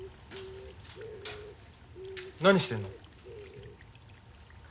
何してるの？